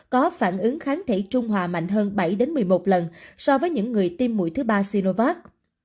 có phản ứng kháng thể trung hòa mạnh hơn bảy một mươi một lần so với những người tiêm mũi thứ ba siriovat